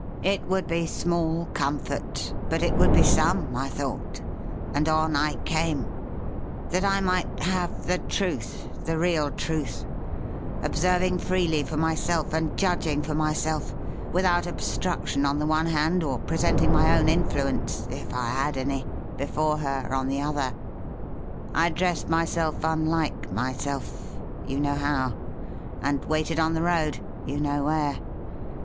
It would be small comfort, but it would be some, I thought: and on I came. That I might have the truth, the real truth; observing freely for myself, and judging for myself, without obstruction on the one hand, or presenting my own influence (if I had any) before her, on the other; I dressed myself unlike myself you know how; and waited on the road you know where.